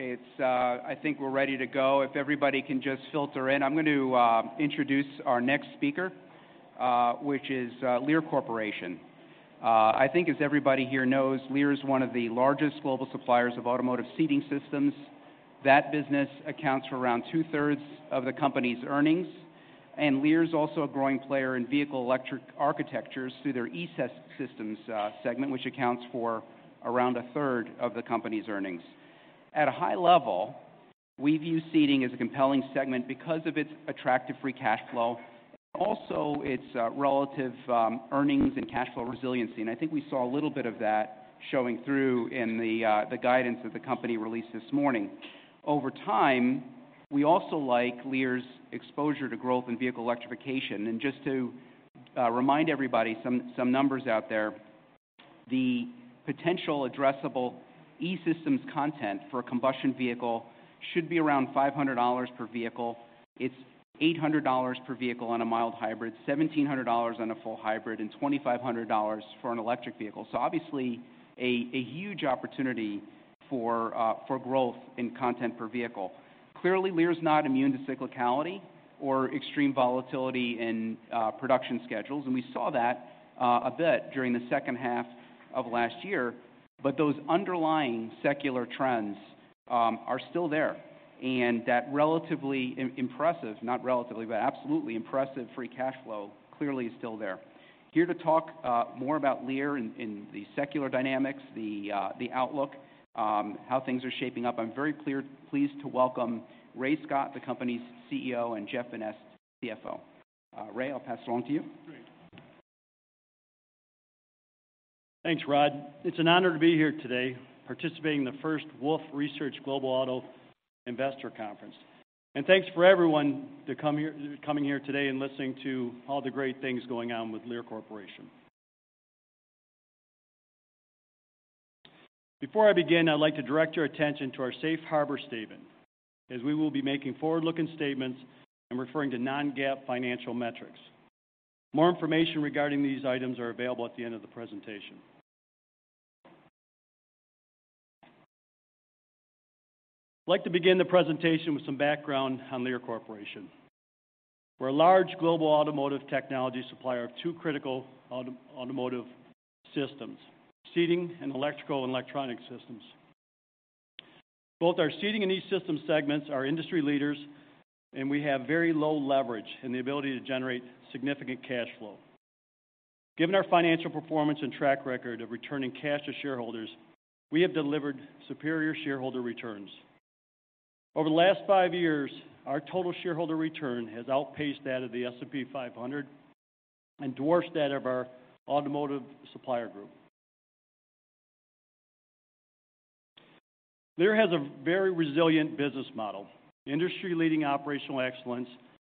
Okay. I think we're ready to go. If everybody can just filter in, I'm going to introduce our next speaker, which is Lear Corporation. I think as everybody here knows, Lear is one of the largest global suppliers of automotive seating systems. That business accounts for around two-thirds of the company's earnings, and Lear's also a growing player in vehicle electric architectures through their E-Systems segment, which accounts for around a third of the company's earnings. At a high level, we view seating as a compelling segment because of its attractive free cash flow and also its relative earnings and cash flow resiliency, and I think we saw a little bit of that showing through in the guidance that the company released this morning. Over time, we also like Lear's exposure to growth in vehicle electrification. Just to remind everybody, some numbers out there, the potential addressable E-Systems content for a combustion vehicle should be around $500 per vehicle. It's $800 per vehicle on a mild hybrid, $1,700 on a full hybrid, and $2,500 for an electric vehicle. Obviously, a huge opportunity for growth in content per vehicle. Clearly, Lear's not immune to cyclicality or extreme volatility in production schedules, and we saw that a bit during the second half of last year, but those underlying secular trends are still there. That relatively impressive, not relatively, but absolutely impressive free cash flow clearly is still there. Here to talk more about Lear in the secular dynamics, the outlook, how things are shaping up, I'm very pleased to welcome Ray Scott, the company's CEO, and Jeff Vanneste, CFO. Ray, I'll pass it on to you. Great. Thanks, Rod. It's an honor to be here today participating in the first Wolfe Research Global Auto Investor Conference, and thanks for everyone coming here today and listening to all the great things going on with Lear Corporation. Before I begin, I'd like to direct your attention to our safe harbor statement as we will be making forward-looking statements and referring to non-GAAP financial metrics. More information regarding these items are available at the end of the presentation. I'd like to begin the presentation with some background on Lear Corporation. We're a large global automotive technology supplier of two critical automotive systems, seating and electrical and electronics systems. Both our Seating and E-Systems segments are industry leaders, and we have very low leverage and the ability to generate significant cash flow. Given our financial performance and track record of returning cash to shareholders, we have delivered superior shareholder returns. Over the last five years, our total shareholder return has outpaced that of the S&P 500 and dwarfed that of our automotive supplier group. Lear has a very resilient business model, industry-leading operational excellence,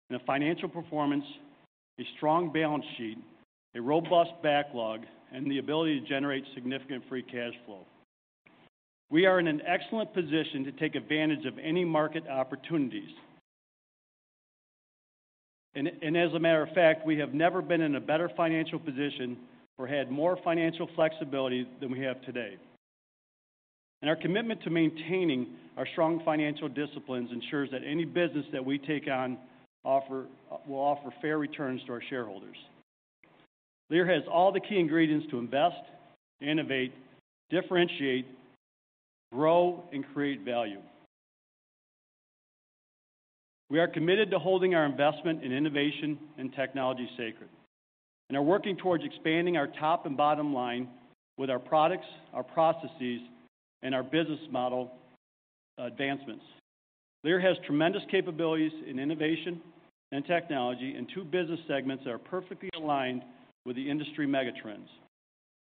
and a financial performance, a strong balance sheet, a robust backlog, and the ability to generate significant free cash flow. We are in an excellent position to take advantage of any market opportunities. As a matter of fact, we have never been in a better financial position or had more financial flexibility than we have today. Our commitment to maintaining our strong financial disciplines ensures that any business that we take on will offer fair returns to our shareholders. Lear has all the key ingredients to invest, innovate, differentiate, grow, and create value. We are committed to holding our investment in innovation and technology sacred and are working towards expanding our top and bottom line with our products, our processes, and our business model advancements. Lear has tremendous capabilities in innovation and technology in two business segments that are perfectly aligned with the industry megatrends.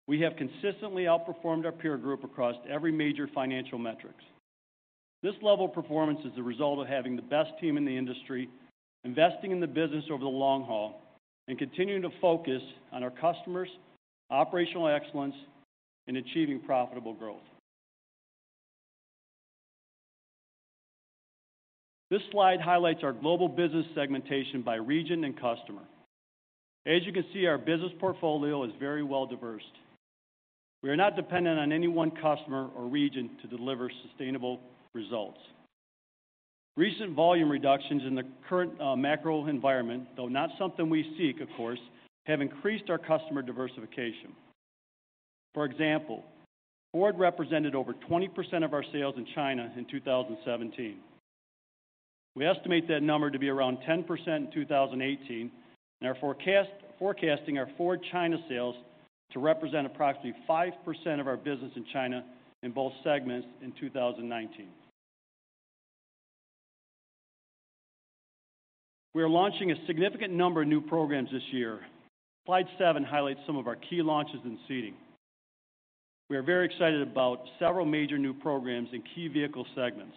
We have consistently outperformed our peer group across every major financial metric. This level of performance is the result of having the best team in the industry, investing in the business over the long haul, and continuing to focus on our customers, operational excellence, and achieving profitable growth. This slide highlights our global business segmentation by region and customer. As you can see, our business portfolio is very well-diversified. We are not dependent on any one customer or region to deliver sustainable results. Recent volume reductions in the current macro environment, though not something we seek, of course, have increased our customer diversification. For example, Ford represented over 20% of our sales in China in 2017. We estimate that number to be around 10% in 2018, and are forecasting our Ford China sales to represent approximately 5% of our business in China in both segments in 2019. We are launching a significant number of new programs this year. slide seven highlights some of our key launches in Seating. We are very excited about several major new programs in key vehicle segments.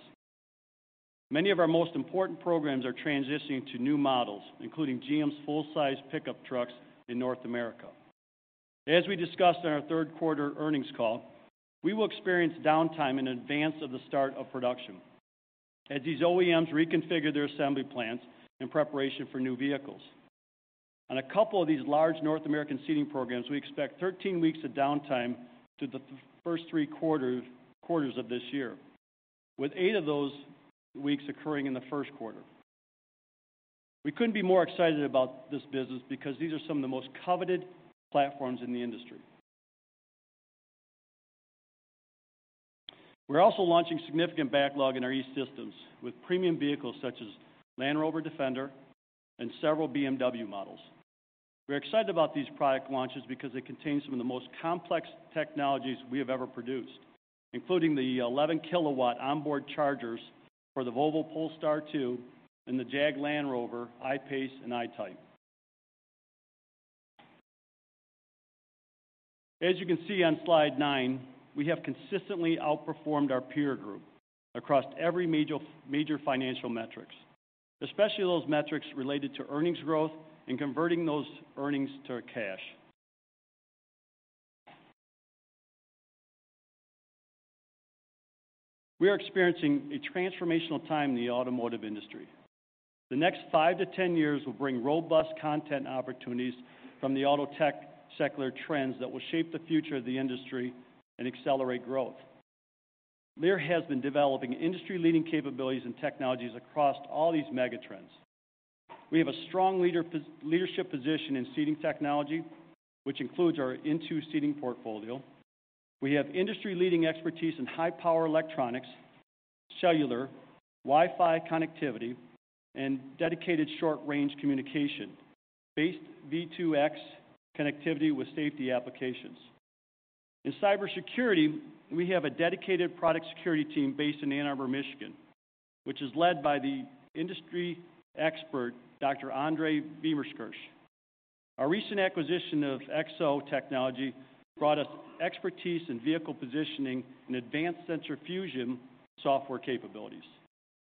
Many of our most important programs are transitioning to new models, including GM's full-size pickup trucks in North America. As we discussed on our third quarter earnings call, we will experience downtime in advance of the start of production as these OEMs reconfigure their assembly plants in preparation for new vehicles. On a couple of these large North American Seating programs, we expect 13 weeks of downtime through the first three quarters of this year, with eight of those weeks occurring in the first quarter. We couldn't be more excited about this business because these are some of the most coveted platforms in the industry. We're also launching significant backlog in our E-Systems with premium vehicles such as Land Rover Defender and several BMW models. We're excited about these product launches because they contain some of the most complex technologies we have ever produced, including the 11 kW onboard chargers for the Volvo Polestar 2 and the Jag Land Rover I-PACE and I-TYPE. As you can see on slide nine, we have consistently outperformed our peer group across every major financial metric, especially those metrics related to earnings growth and converting those earnings to cash. We are experiencing a transformational time in the automotive industry. The next 5-10 years will bring robust content opportunities from the auto tech secular trends that will shape the future of the industry and accelerate growth. Lear has been developing industry-leading capabilities and technologies across all these megatrends. We have a strong leadership position in seating technology, which includes our INTU seating portfolio. We have industry-leading expertise in high power electronics, cellular, Wi-Fi connectivity, and dedicated short-range communication-based V2X connectivity with safety applications. In cybersecurity, we have a dedicated product security team based in Ann Arbor, Michigan, which is led by the industry expert, Dr. André Weimerskirch. Our recent acquisition of Xevo technology brought us expertise in vehicle positioning and advanced sensor fusion software capabilities.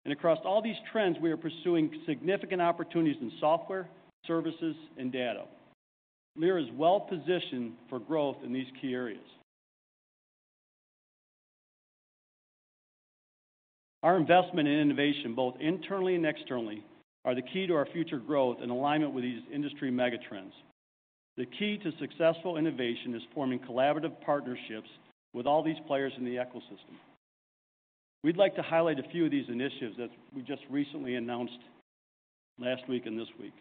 Across all these trends, we are pursuing significant opportunities in software, services, and data. Lear is well-positioned for growth in these key areas. Our investment in innovation, both internally and externally, are the key to our future growth in alignment with these industry mega trends. The key to successful innovation is forming collaborative partnerships with all these players in the ecosystem. We'd like to highlight a few of these initiatives that we just recently announced last week and this week.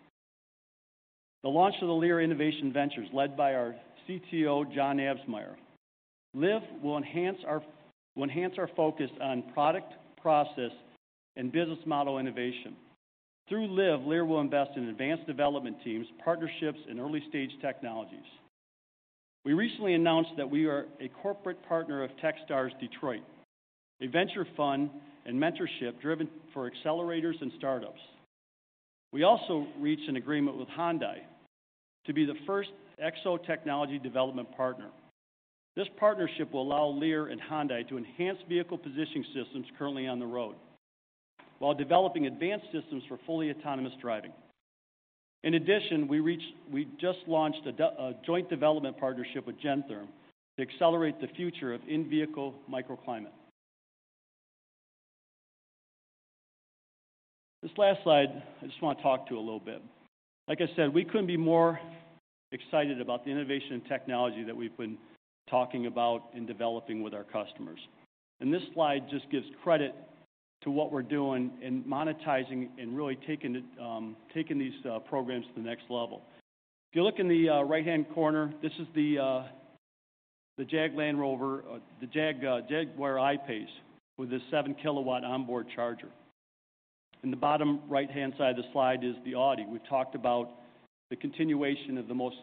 The launch of the Lear Innovation Ventures, led by our CTO, John Absmeier. LIV will enhance our focus on product, process, and business model innovation. Through LIV, Lear will invest in advanced development teams, partnerships, and early-stage technologies. We recently announced that we are a corporate partner of Techstars Detroit, a venture fund and mentorship driven for accelerators and startups. We also reached an agreement with Hyundai to be the first Xevo technology development partner. This partnership will allow Lear and Hyundai to enhance vehicle positioning systems currently on the road while developing advanced systems for fully autonomous driving. In addition, we just launched a joint development partnership with Gentherm to accelerate the future of in-vehicle microclimate. This last slide, I just want to talk to a little bit. Like I said, we couldn't be more excited about the innovation and technology that we've been talking about and developing with our customers. This slide just gives credit to what we're doing in monetizing and really taking these programs to the next level. If you look in the right-hand corner, this is the Jaguar I-PACE with a 7 kW onboard charger. In the bottom right-hand side of the slide is the Audi. We've talked about the continuation of the most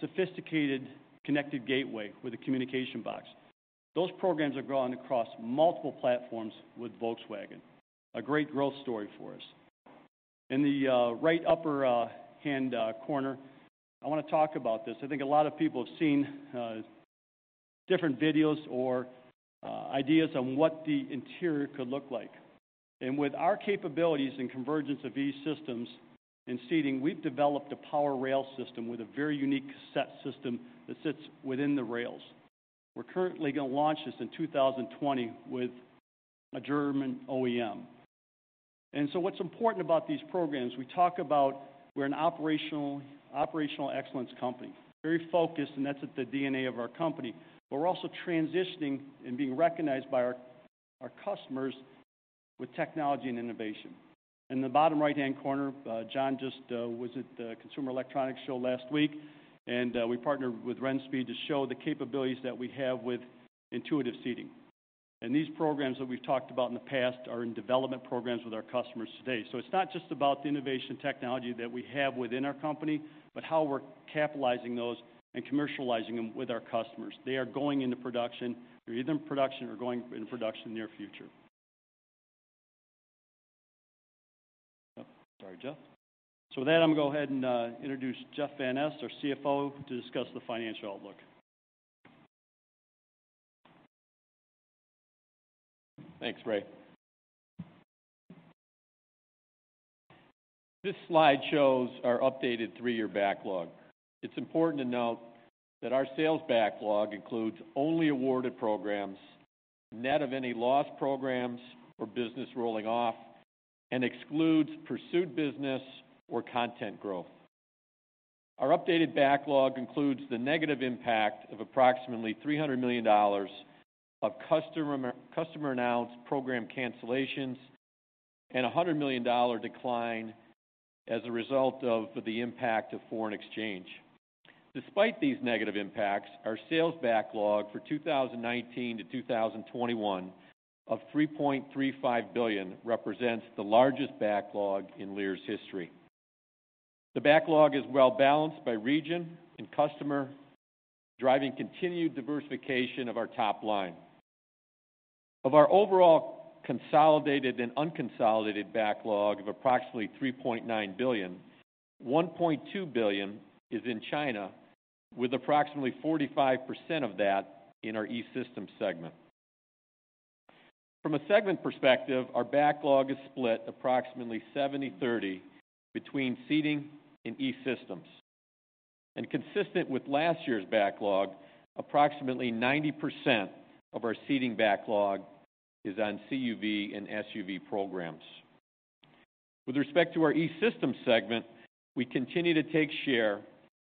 sophisticated connected gateway with a communication box. Those programs have gone across multiple platforms with Volkswagen, a great growth story for us. In the right upper hand corner, I want to talk about this. I think a lot of people have seen different videos or ideas on what the interior could look like. With our capabilities and convergence of E-Systems in Seating, we've developed a power rail system with a very unique cassette system that sits within the rails. We're currently going to launch this in 2020 with a German OEM. What's important about these programs, we talk about we're an operational excellence company, very focused, and that's at the DNA of our company, but we're also transitioning and being recognized by our customers with technology and innovation. In the bottom right-hand corner, John just was at the Consumer Electronics Show last week. We partnered with Rinspeed to show the capabilities that we have with intuitive seating. These programs that we've talked about in the past are in development programs with our customers today. It's not just about the innovation technology that we have within our company, but how we're capitalizing those and commercializing them with our customers. They are going into production. They're either in production or going into production in the near future. Sorry, Jeff. With that, I'm going to go ahead and introduce Jeff Vanneste, our CFO, to discuss the financial outlook. Thanks, Ray. This slide shows our updated three-year backlog. It is important to note that our sales backlog includes only awarded programs, net of any lost programs or business rolling off, and excludes pursued business or content growth. Our updated backlog includes the negative impact of approximately $300 million of customer-announced program cancellations and a $100 million decline as a result of the impact of foreign exchange. Despite these negative impacts, our sales backlog for 2019-2021 of $3.35 billion represents the largest backlog in Lear's history. The backlog is well-balanced by region and customer, driving continued diversification of our top line. Of our overall consolidated and unconsolidated backlog of approximately $3.9 billion, $1.2 billion is in China, with approximately 45% of that in our E-Systems segment. From a segment perspective, our backlog is split approximately 70/30 between Seating and E-Systems. Consistent with last year's backlog, approximately 90% of our Seating backlog is on CUV and SUV programs. With respect to our E-Systems segment, we continue to take share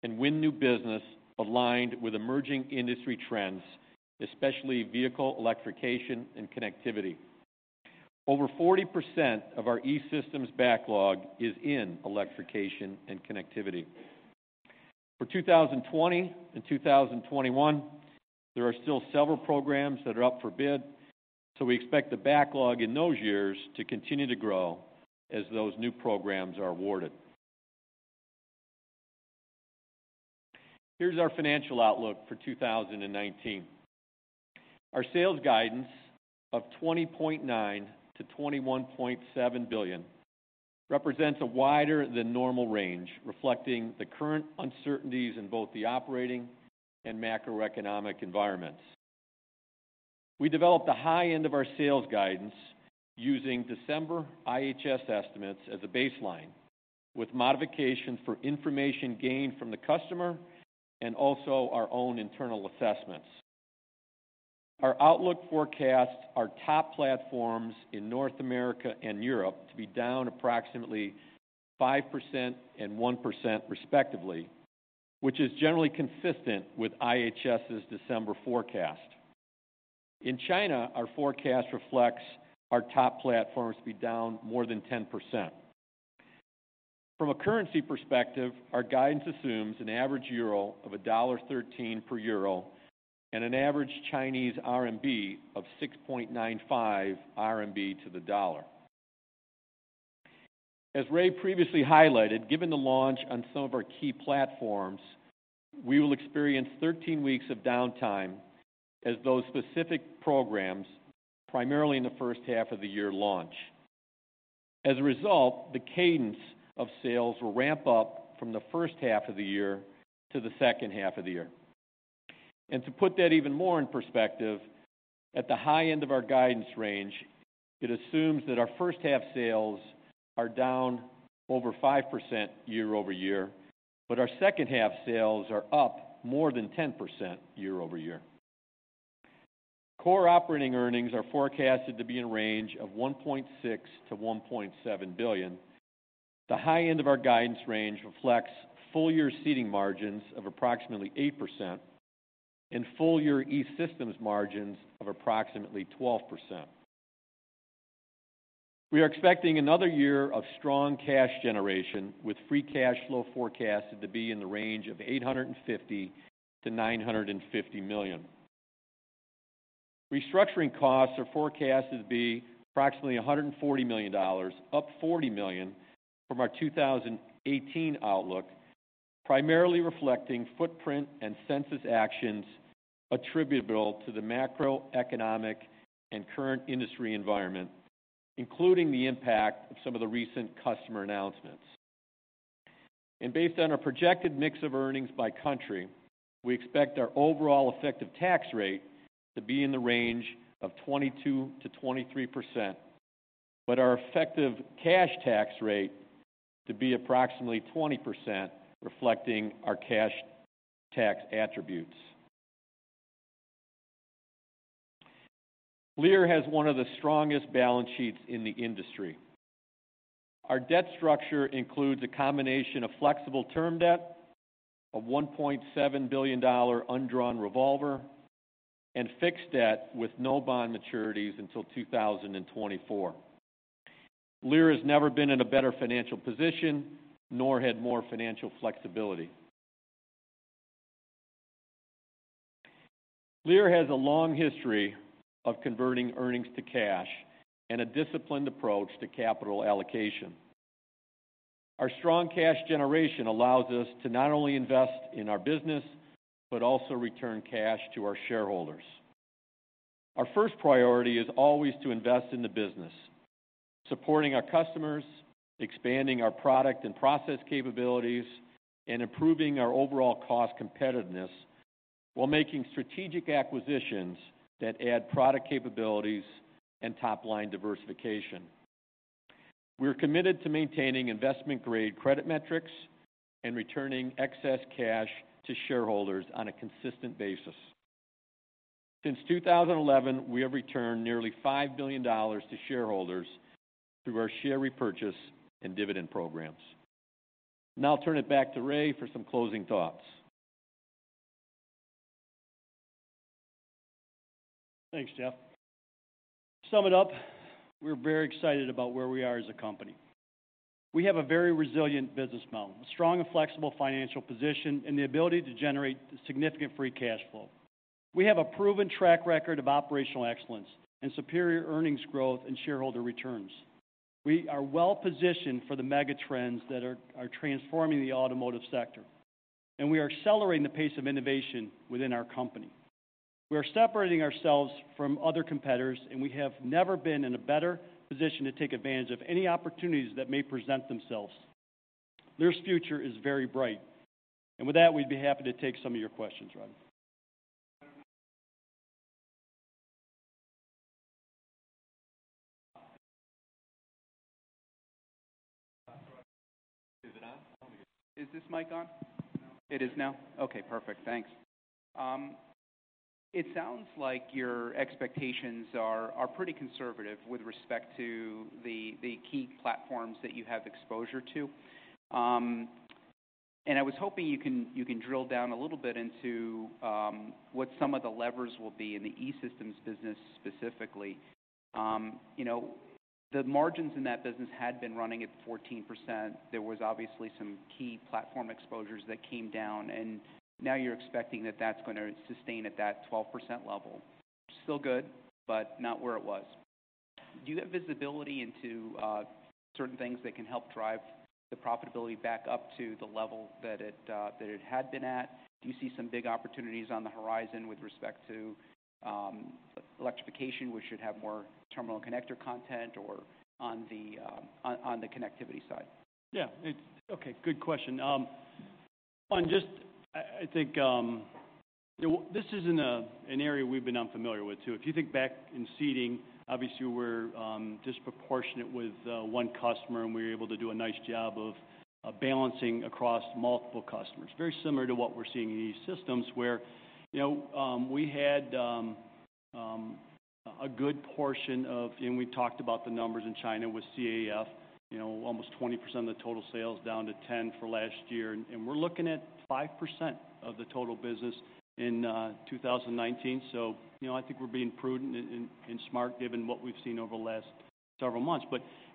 and win new business aligned with emerging industry trends, especially vehicle electrification and connectivity. Over 40% of our E-Systems backlog is in electrification and connectivity. For 2020 and 2021, there are still several programs that are up for bid, so we expect the backlog in those years to continue to grow as those new programs are awarded. Here is our financial outlook for 2019. Our sales guidance of $20.9 billion-$21.7 billion represents a wider than normal range, reflecting the current uncertainties in both the operating and macroeconomic environments. We developed the high end of our sales guidance using December IHS estimates as a baseline, with modifications for information gained from the customer and also our own internal assessments. Our outlook forecasts our top platforms in North America and Europe to be down approximately 5% and 1% respectively, which is generally consistent with IHS's December forecast. In China, our forecast reflects our top platforms to be down more than 10%. From a currency perspective, our guidance assumes an average euro of $1.13 per euro and an average Chinese RMB of 6.95 RMB to the dollar. As Ray previously highlighted, given the launch on some of our key platforms, we will experience 13 weeks of downtime as those specific programs, primarily in the first half of the year, launch. As a result, the cadence of sales will ramp up from the first half of the year to the second half of the year. To put that even more in perspective, at the high end of our guidance range, it assumes that our first half sales are down over 5% year-over-year, but our second half sales are up more than 10% year-over-year. Core operating earnings are forecasted to be in range of $1.6 billion-$1.7 billion. The high end of our guidance range reflects full-year Seating margins of approximately 8% and full-year E-Systems margins of approximately 12%. We are expecting another year of strong cash generation, with free cash flow forecasted to be in the range of $850 million-$950 million. Restructuring costs are forecasted to be approximately $140 million, up $40 million from our 2018 outlook, primarily reflecting footprint and census actions attributable to the macroeconomic and current industry environment, including the impact of some of the recent customer announcements. Based on our projected mix of earnings by country, we expect our overall effective tax rate to be in the range of 22%-23%, but our effective cash tax rate to be approximately 20%, reflecting our cash tax attributes. Lear has one of the strongest balance sheets in the industry. Our debt structure includes a combination of flexible term debt, a $1.7 billion undrawn revolver, and fixed debt with no bond maturities until 2024. Lear has never been in a better financial position, nor had more financial flexibility. Lear has a long history of converting earnings to cash and a disciplined approach to capital allocation. Our strong cash generation allows us to not only invest in our business, but also return cash to our shareholders. Our first priority is always to invest in the business, supporting our customers, expanding our product and process capabilities, and improving our overall cost competitiveness while making strategic acquisitions that add product capabilities and top-line diversification. We're committed to maintaining investment-grade credit metrics and returning excess cash to shareholders on a consistent basis. Since 2011, we have returned nearly $5 billion to shareholders through our share repurchase and dividend programs. I'll turn it back to Ray for some closing thoughts. Thanks, Jeff. To sum it up, we're very excited about where we are as a company. We have a very resilient business model, a strong and flexible financial position, and the ability to generate significant free cash flow. We have a proven track record of operational excellence and superior earnings growth and shareholder returns. We are well-positioned for the mega trends that are transforming the automotive sector, and we are accelerating the pace of innovation within our company. We are separating ourselves from other competitors, and we have never been in a better position to take advantage of any opportunities that may present themselves. Lear's future is very bright. With that, we'd be happy to take some of your questions, Rod. Is it on? Is this mic on? It is now? Okay, perfect. Thanks. It sounds like your expectations are pretty conservative with respect to the key platforms that you have exposure to. I was hoping you can drill down a little bit into what some of the levers will be in the E-Systems business specifically. The margins in that business had been running at 14%. There was obviously some key platform exposures that came down, and now you're expecting that that's going to sustain at that 12% level. Still good, but not where it was. Do you have visibility into certain things that can help drive the profitability back up to the level that it had been at? Do you see some big opportunities on the horizon with respect to electrification, which should have more terminal connector content, or on the connectivity side? Yeah. Okay, good question. One, I think this isn't an area we've been unfamiliar with, too. If you think back in Seating, obviously, we're disproportionate with one customer, and we were able to do a nice job of balancing across multiple customers. Very similar to what we're seeing in E-Systems, where we had a good portion of, and we talked about the numbers in China with CAF, almost 20% of the total sales down to 10% for last year. We're looking at 5% of the total business in 2019. I think we're being prudent and smart given what we've seen over the last several months.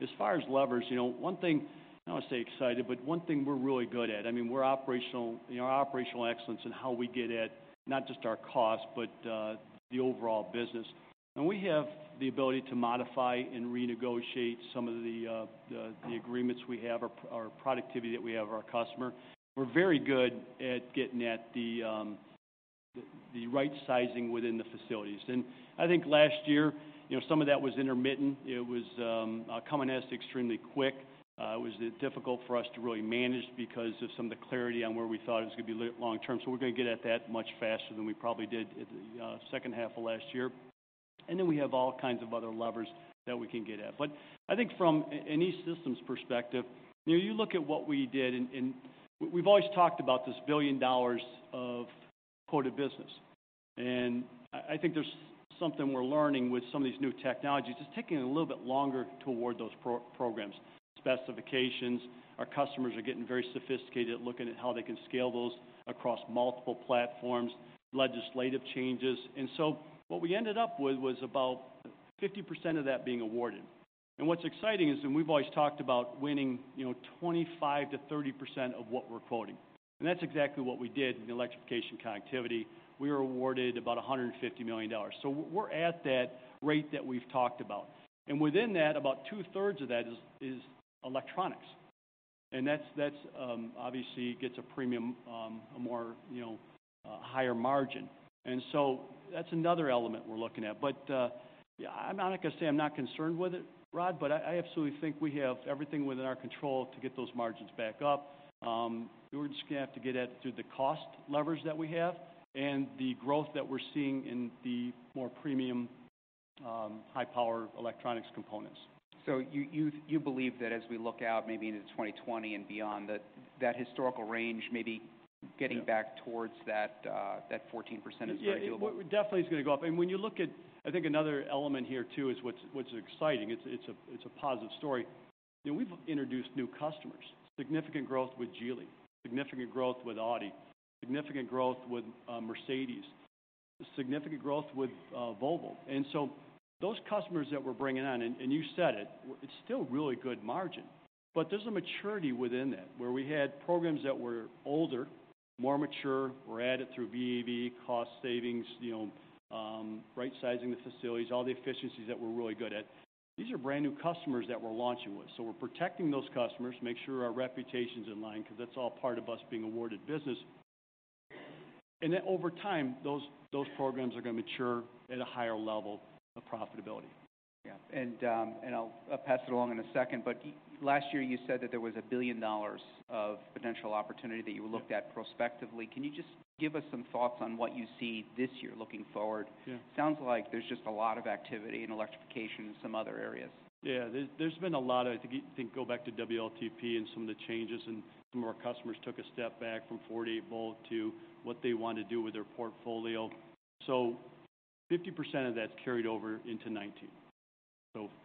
As far as levers, one thing, I don't want to say excited, but one thing we're really good at, our operational excellence and how we get at not just our cost, but the overall business. We have the ability to modify and renegotiate some of the agreements we have or productivity that we have with our customer. We're very good at getting at the right sizing within the facilities. I think last year, some of that was intermittent. It was coming at us extremely quick. It was difficult for us to really manage because of some of the clarity on where we thought it was going to be long term. We're going to get at that much faster than we probably did at the second half of last year. Then we have all kinds of other levers that we can get at. I think from an E-Systems perspective, you look at what we did, and we've always talked about this billion dollars of quoted business. I think there's something we're learning with some of these new technologies. It's taking a little bit longer to award those programs. Specifications, our customers are getting very sophisticated at looking at how they can scale those across multiple platforms, legislative changes. What we ended up with was about 50% of that being awarded. What's exciting is, and we've always talked about winning 25%-30% of what we're quoting. That's exactly what we did in the electrification connectivity. We were awarded about $150 million. We're at that rate that we've talked about. Within that, about 2/3s of that is electronics. That obviously gets a premium, a more higher margin. That's another element we're looking at. I'm not going to say I'm not concerned with it, Rod, but I absolutely think we have everything within our control to get those margins back up. We're just going to have to get at it through the cost levers that we have and the growth that we're seeing in the more premium high-power electronics components. You believe that as we look out maybe into 2020 and beyond, that that historical range maybe getting back towards that 14% is very doable? Yeah, definitely it's going to go up. When you look at, I think another element here, too, is what's exciting. It's a positive story. We've introduced new customers, significant growth with Geely, significant growth with Audi, significant growth with Mercedes, significant growth with Volvo. Those customers that we're bringing on, and you said it's still really good margin, but there's a maturity within that where we had programs that were older, more mature, were added through VA/VE, cost savings, right-sizing the facilities, all the efficiencies that we're really good at. These are brand-new customers that we're launching with. We're protecting those customers, make sure our reputation's in line because that's all part of us being awarded business. Over time, those programs are going to mature at a higher level of profitability. I'll pass it along in a second, but last year you said that there was $1 billion of potential opportunity that you looked at prospectively. Can you just give us some thoughts on what you see this year looking forward? Yeah. Sounds like there's just a lot of activity in electrification and some other areas. Yeah, there's been a lot. I think, go back to WLTP and some of the changes, some of our customers took a step back from 48-volt to what they want to do with their portfolio. 50% of that's carried over into 2019.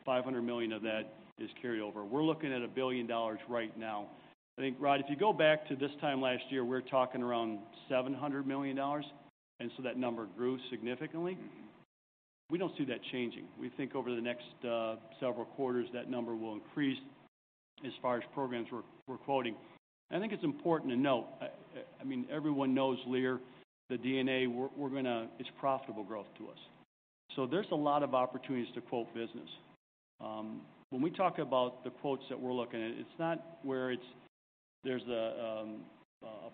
$500 million of that is carried over. We're looking at a billion dollars right now. I think, Rod, if you go back to this time last year, we were talking around $700 million, that number grew significantly. We don't see that changing. We think over the next several quarters, that number will increase as far as programs we're quoting. I think it's important to note, everyone knows Lear, the DNA, it's profitable growth to us. There's a lot of opportunities to quote business. When we talk about the quotes that we're looking at, it's not where there's a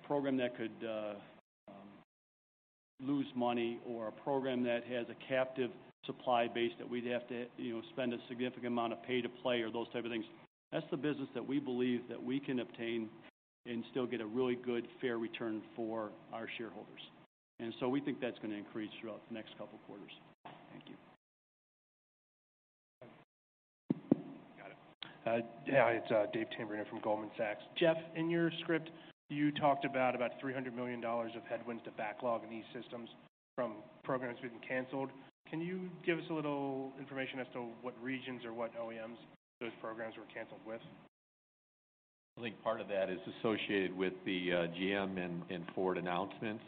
program that could lose money or a program that has a captive supply base that we'd have to spend a significant amount of pay to play or those type of things. That's the business that we believe that we can obtain and still get a really good, fair return for our shareholders. We think that's going to increase throughout the next couple of quarters. Thank you. Got it. Yeah, it's David Tamberrino from Goldman Sachs. Jeff, in your script, you talked about $300 million of headwinds to backlog in E-Systems from programs being canceled. Can you give us a little information as to what regions or what OEMs those programs were canceled with? I think part of that is associated with the GM and Ford announcements,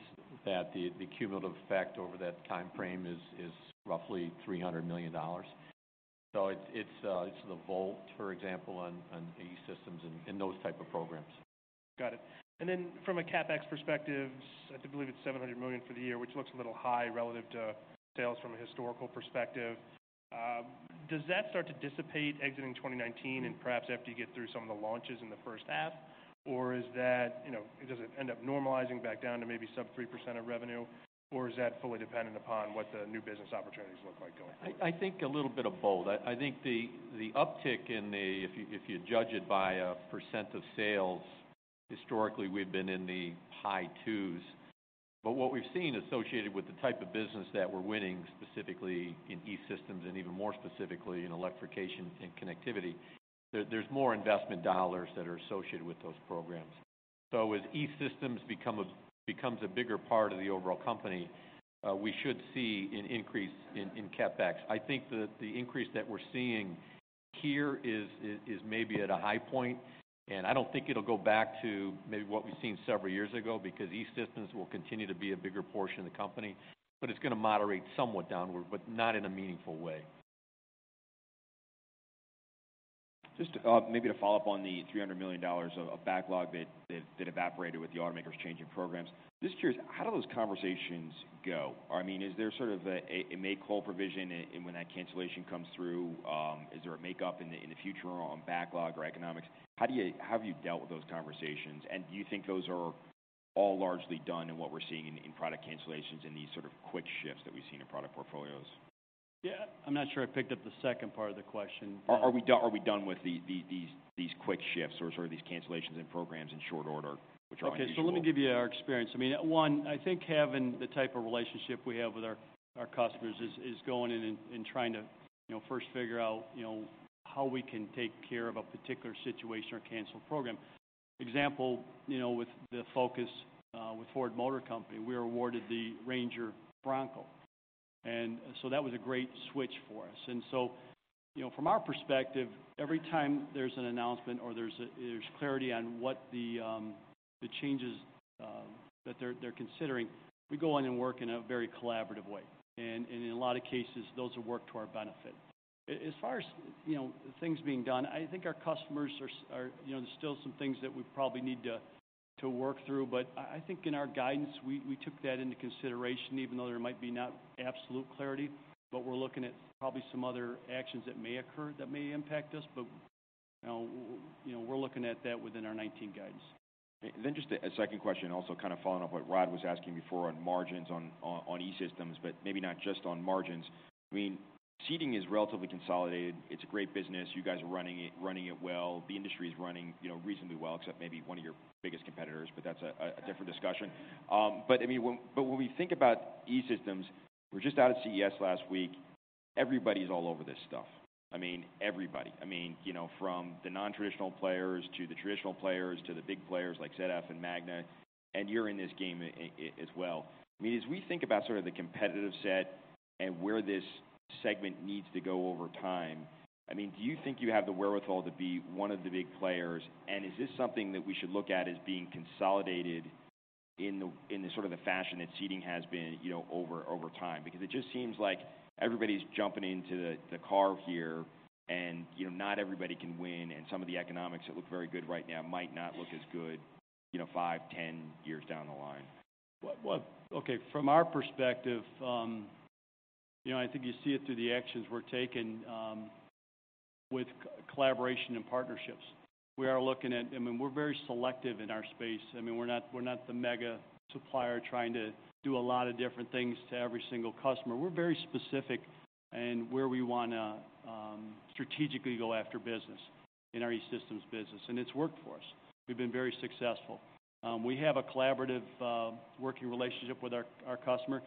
that the cumulative effect over that timeframe is roughly $300 million. It's the Volt, for example, on E-Systems and in those type of programs. Got it. From a CapEx perspective, I believe it's $700 million for the year, which looks a little high relative to sales from a historical perspective. Does that start to dissipate exiting 2019 and perhaps after you get through some of the launches in the first half? Does it end up normalizing back down to maybe sub 3% of revenue? Is that fully dependent upon what the new business opportunities look like going forward? I think a little bit of both. I think the uptick in the, if you judge it by a percent of sales, historically, we've been in the high twos. What we've seen associated with the type of business that we're winning, specifically in E-Systems and even more specifically in electrification and connectivity, there's more investment dollars that are associated with those programs. As E-Systems becomes a bigger part of the overall company, we should see an increase in CapEx. I think that the increase that we're seeing here is maybe at a high point, and I don't think it'll go back to maybe what we've seen several years ago, because E-Systems will continue to be a bigger portion of the company. It's going to moderate somewhat downward, but not in a meaningful way. Just maybe to follow up on the $300 million of backlog that evaporated with the automakers changing programs. Just curious, how do those conversations go? Is there sort of a make-whole provision and when that cancellation comes through, is there a makeup in the future on backlog or economics? How have you dealt with those conversations, and do you think those are all largely done in what we're seeing in product cancellations in these sort of quick shifts that we've seen in product portfolios? Yeah, I'm not sure I picked up the second part of the question. Are we done with these quick shifts or sort of these cancellations in programs in short order, which are unusual? Okay, let me give you our experience. One, I think having the type of relationship we have with our customers is going in and trying to first figure out how we can take care of a particular situation or canceled program. Example, with the focus with Ford Motor Company, we were awarded the Ranger/Bronco. That was a great switch for us. From our perspective, every time there's an announcement or there's clarity on what the changes that they're considering, we go in and work in a very collaborative way. In a lot of cases, those will work to our benefit. As far as things being done, I think our customers, there's still some things that we probably need to work through, but I think in our guidance, we took that into consideration, even though there might be not absolute clarity, but we're looking at probably some other actions that may occur that may impact us. We're looking at that within our 2019 guidance. Just a second question, also kind of following up what Rod was asking before on margins on E-Systems, but maybe not just on margins. Seating is relatively consolidated. It's a great business. You guys are running it well. The industry's running reasonably well, except maybe one of your biggest competitors, but that's a different discussion. When we think about E-Systems, we were just out at CES last week, everybody's all over this stuff. Everybody. From the non-traditional players to the traditional players, to the big players like ZF and Magna, and you're in this game as well. As we think about sort of the competitive set and where this segment needs to go over time, do you think you have the wherewithal to be one of the big players, and is this something that we should look at as being consolidated in the sort of the fashion that Seating has been over time? It just seems like everybody's jumping into the car here, and not everybody can win, and some of the economics that look very good right now might not look as good 5, 10 years down the line. Well, okay. From our perspective, I think you see it through the actions we're taking with collaboration and partnerships. We're very selective in our space. We're not the mega supplier trying to do a lot of different things to every single customer. We're very specific in where we want to strategically go after business in our E-Systems business, and it's worked for us. We've been very successful. We have a collaborative working relationship with our customer.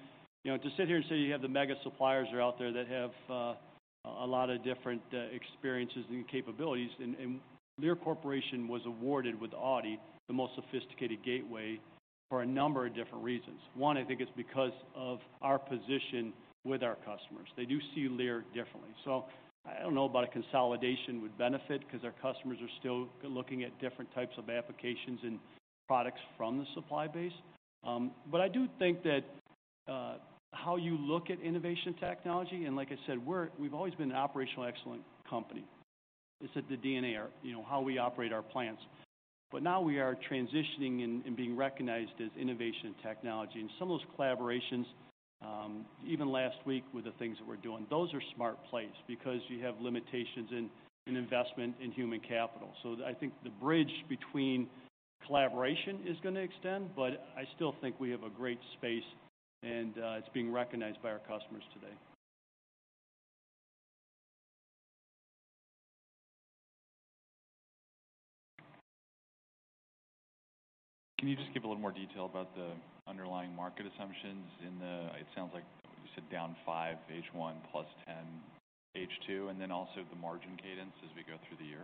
To sit here and say you have the mega suppliers are out there that have a lot of different experiences and capabilities, Lear Corporation was awarded with Audi, the most sophisticated gateway, for a number of different reasons. One, I think it's because of our position with our customers. They do see Lear differently. I don't know about a consolidation would benefit because our customers are still looking at different types of applications and products from the supply base. I do think that how you look at innovation technology, and like I said, we've always been an operational excellent company. It's at the DNA, how we operate our plants. Now we are transitioning and being recognized as innovation technology and some of those collaborations, even last week with the things that we're doing, those are smart plays because you have limitations in investment in human capital. I think the bridge between collaboration is going to extend, but I still think we have a great space and it's being recognized by our customers today. Can you just give a little more detail about the underlying market assumptions in the, it sounds like you said down five H1 plus ten H2, and then also the margin cadence as we go through the year?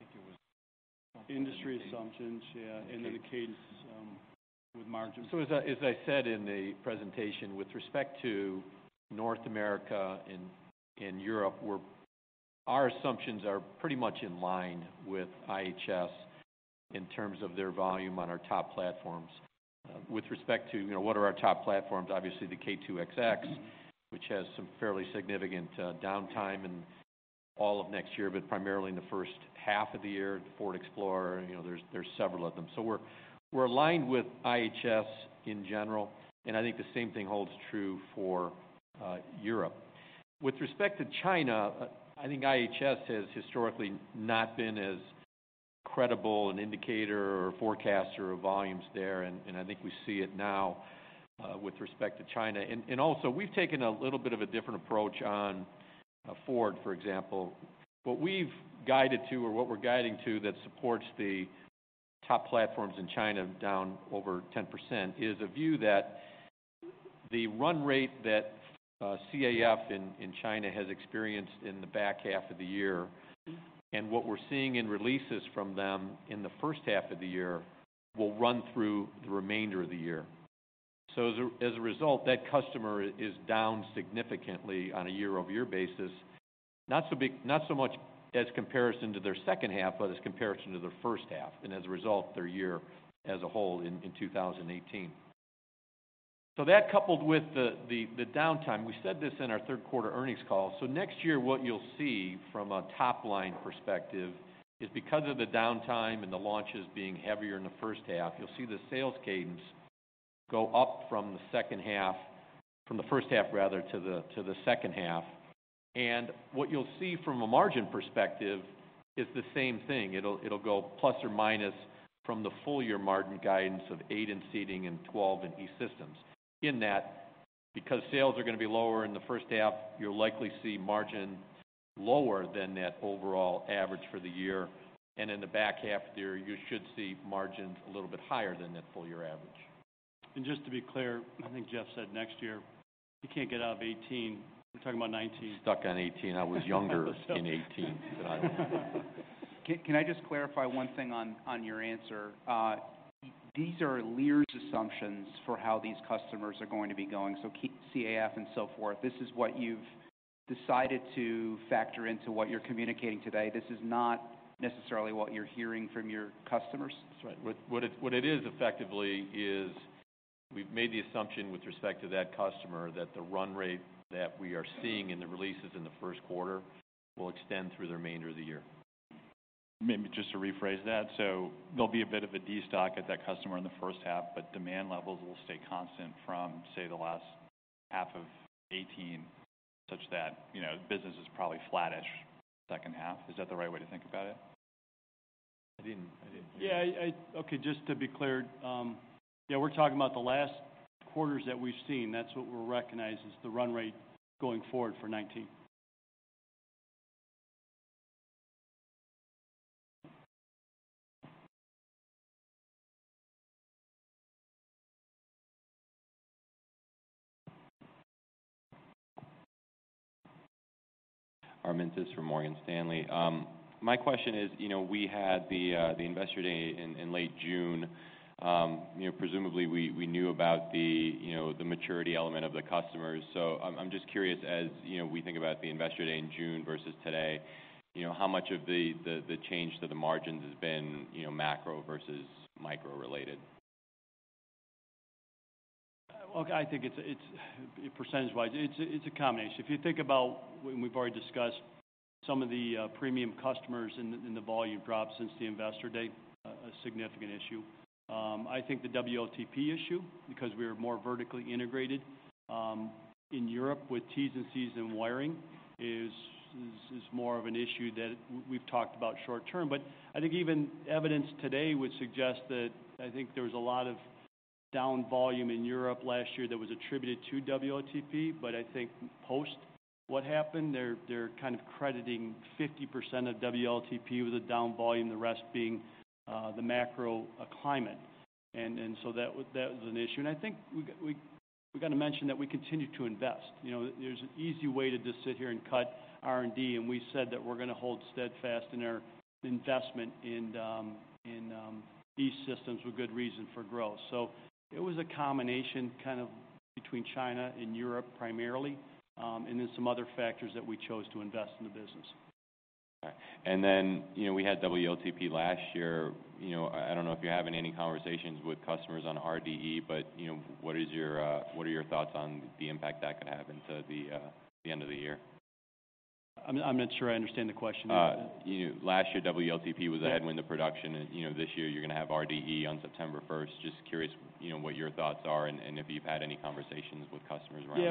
I think Industry assumptions, yeah. The cadence with margins. As I said in the presentation with respect to North America and Europe, our assumptions are pretty much in line with IHS in terms of their volume on our top platforms. With respect to what are our top platforms, obviously the K2XX, which has some fairly significant downtime in all of next year, but primarily in the first half of the year, the Ford Explorer, there's several of them. We're aligned with IHS in general, and I think the same thing holds true for Europe. With respect to China, I think IHS has historically not been as credible an indicator or forecaster of volumes there, and I think we see it now with respect to China. Also we've taken a little bit of a different approach on Ford, for example. What we've guided to or what we're guiding to that supports the top platforms in China down over 10% is a view that the run rate that CAF in China has experienced in the back half of the year and what we're seeing in releases from them in the first half of the year will run through the remainder of the year. As a result, that customer is down significantly on a year-over-year basis. Not so much as comparison to their second half, but as comparison to their first half, and as a result, their year as a whole in 2018. That coupled with the downtime, we said this in our third quarter earnings call. Next year, what you'll see from a top-line perspective is because of the downtime and the launches being heavier in the first half, you'll see the sales cadence go up from the first half rather to the second half. What you'll see from a margin perspective is the same thing. It'll go plus or minus from the full-year margin guidance of 8% in Seating and 12% in E-Systems. In that, because sales are going to be lower in the first half, you'll likely see margin lower than that overall average for the year. In the back half of the year, you should see margins a little bit higher than that full-year average. Just to be clear, I think Jeff said next year. You can't get out of 2018. We're talking about 2019. Stuck on 2018. I was younger in 2018 than I am now. Can I just clarify one thing on your answer? These are Lear's assumptions for how these customers are going to be going, CAF and so forth. This is what you've decided to factor into what you're communicating today. This is not necessarily what you're hearing from your customers? That's right. What it is effectively is we've made the assumption with respect to that customer that the run rate that we are seeing in the releases in the first quarter will extend through the remainder of the year. Maybe just to rephrase that, there'll be a bit of a destock at that customer in the first half, demand levels will stay constant from, say, the last half of 2018, such that business is probably flattish second half. Is that the right way to think about it? I didn't hear you. Just to be clear, yeah, we're talking about the last quarters that we've seen. That's what we'll recognize as the run rate going forward for 2019. Armintas from Morgan Stanley. My question is, we had the Investor Day in late June. Presumably, we knew about the maturity element of the customers. I'm just curious, as we think about the Investor Day in June versus today, how much of the change to the margins has been macro versus micro related? Percentage-wise, it's a combination. If you think about, we've already discussed some of the premium customers and the volume drop since the Investor Day, a significant issue. I think the WLTP issue, because we are more vertically integrated in Europe with Terminals and Connectors and wiring is more of an issue that we've talked about short term. I think even evidence today would suggest that I think there was a lot of down volume in Europe last year that was attributed to WLTP, but I think post what happened, they're kind of crediting 50% of WLTP with the down volume, the rest being the macro climate. That was an issue. I think we got to mention that we continue to invest. There's an easy way to just sit here and cut R&D, we said that we're going to hold steadfast in our investment in these systems with good reason for growth. It was a combination kind of between China and Europe primarily, then some other factors that we chose to invest in the business. All right. Then we had WLTP last year. I don't know if you're having any conversations with customers on RDE, what are your thoughts on the impact that could have into the end of the year? I'm not sure I understand the question. Last year WLTP was ahead in the production, this year you're going to have RDE on September 1st. Just curious what your thoughts are and if you've had any conversations with customers around that.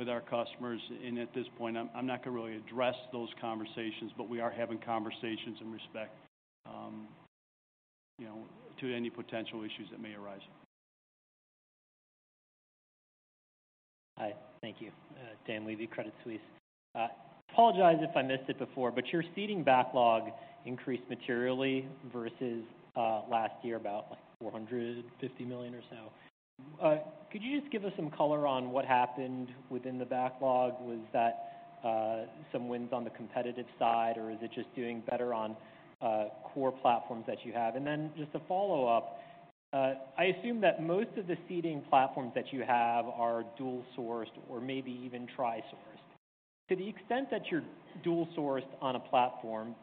Yeah. At this point I'm not going to really address those conversations, we are having conversations in respect to any potential issues that may arise. Hi, thank you. Dan Levy, Credit Suisse. Apologize if I missed it before, your Seating backlog increased materially versus last year about $450 million or so. Could you just give us some color on what happened within the backlog? Was that some wins on the competitive side or is it just doing better on core platforms that you have? Just a follow-up, I assume that most of the Seating platforms that you have are dual-sourced or maybe even tri-sourced. To the extent that you're dual-sourced on a platform,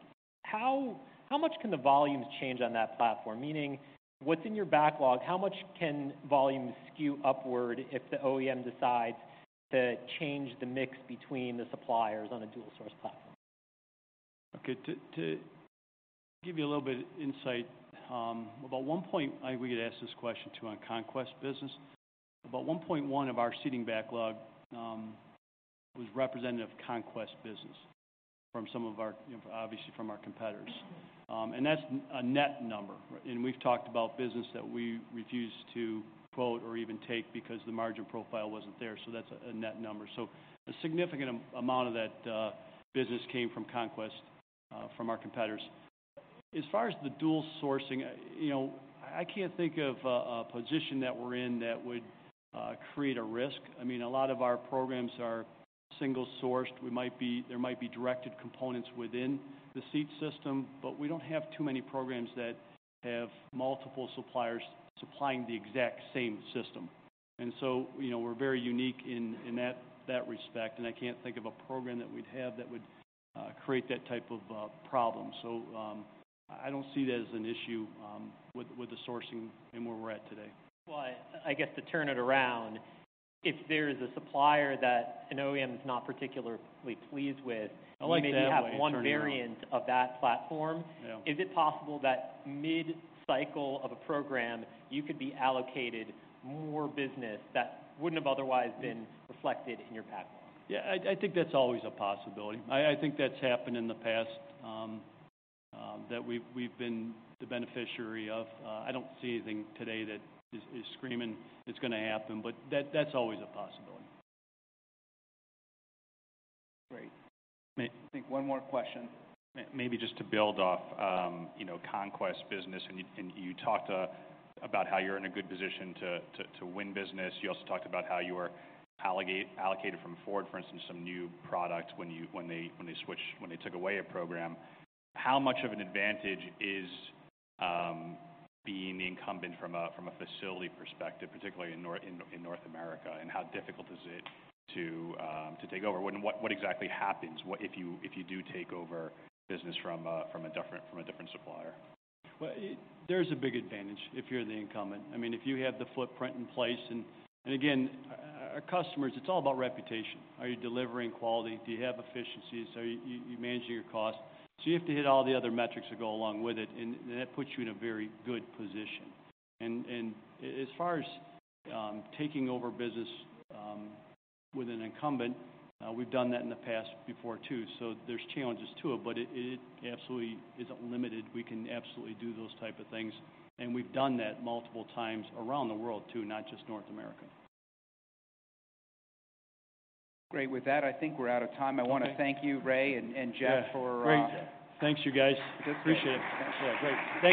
how much can the volumes change on that platform? Meaning what's in your backlog, how much can volumes skew upward if the OEM decides to change the mix between the suppliers on a dual source platform? Okay. To give you a little bit of insight, we get asked this question, too, on conquest business. About $1.1 billion of our Seating backlog was representative conquest business from some of our, obviously from our competitors. That's a net number. We've talked about business that we refuse to quote or even take because the margin profile wasn't there, that's a net number. A significant amount of that business came from conquest from our competitors. As far as the dual sourcing, I can't think of a position that we're in that would create a risk. A lot of our programs are single-sourced. There might be directed components within the seat system, we don't have too many programs that have multiple suppliers supplying the exact same system. We're very unique in that respect, I can't think of a program that we'd have that would create that type of problem. I don't see it as an issue with the sourcing and where we're at today. Well, I guess to turn it around, if there is a supplier that an OEM is not particularly pleased with. I like that way of turning it around. Maybe you have one variant of that platform. Yeah Is it possible that mid-cycle of a program you could be allocated more business that wouldn't have otherwise been reflected in your backlog? I think that's always a possibility. I think that's happened in the past that we've been the beneficiary of. I don't see anything today that is screaming it's going to happen, but that's always a possibility. Great. I think one more question. Maybe just to build off conquest business. You talked about how you're in a good position to win business. You also talked about how you were allocated from Ford, for instance, some new product when they took away a program. How much of an advantage is being the incumbent from a facility perspective, particularly in North America, and how difficult is it to take over? What exactly happens if you do take over business from a different supplier? Well, there's a big advantage if you're the incumbent. If you have the footprint in place. Again, our customers, it's all about reputation. Are you delivering quality? Do you have efficiencies? Are you managing your cost? You have to hit all the other metrics that go along with it. Then that puts you in a very good position. As far as taking over business with an incumbent, we've done that in the past before too. There's challenges to it, but it absolutely isn't limited. We can absolutely do those type of things and we've done that multiple times around the world too, not just North America. Great. With that, I think we're out of time. Okay. I want to thank you, Ray and Jeff for. Yeah. Great. Thanks you guys. Appreciate it. Yeah, great. Thank you.